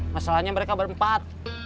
masalahnya mereka berempat